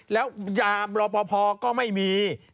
แล้วหยามหล่อพอก็ไม่มี